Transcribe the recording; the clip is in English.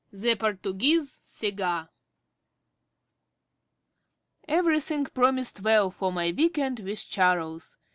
THE PORTUGUESE CIGAR Everything promised well for my week end with Charles.